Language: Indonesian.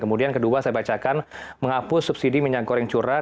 kemudian kedua saya bacakan menghapus subsidi minyak goreng curah